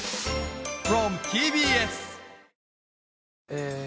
え